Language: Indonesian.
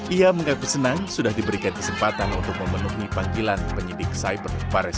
ia mengaku senang sudah diberikan kesempatan untuk memenuhi panggilan penyidik cyber paris